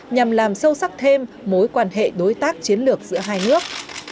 nhằm làm sâu sắc thêm mối quan hệ đối tác chiến lược giữa hai nước